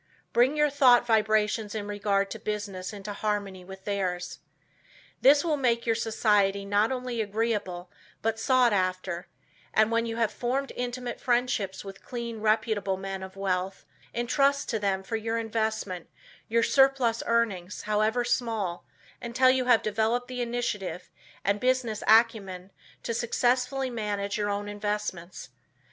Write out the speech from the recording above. Bring your thought vibrations in regard to business into harmony with theirs. This will make your society not only agreeable, but sought after, and, when you have formed intimate friendships with clean, reputable men of wealth, entrust to them, for investment, your surplus earnings, however small, until you have developed the initiative and business acumen to successfully manage your own investments.